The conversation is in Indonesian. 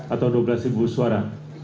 atau dua belas suara